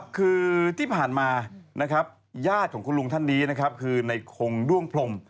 คือที่ผ่านมาญาติของคุณลุงท่านนี้คือในโครงด้วงพลม